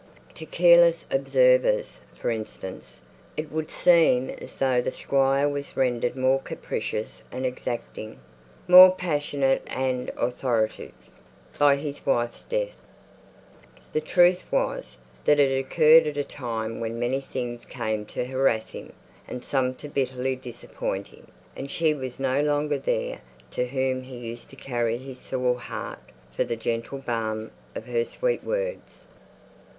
To careless observers, for instance, it would seem as though the Squire was rendered more capricious and exacting, more passionate and authoritative, by his wife's death. The truth was, that it occurred at a time when many things came to harass him, and some to bitterly disappoint him; and she was no longer there to whom he used to carry his sore heart for the gentle balm of her sweet words.